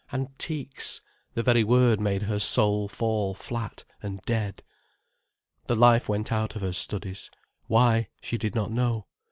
"Antiques"—the very word made her soul fall flat and dead. The life went out of her studies, why, she did not know.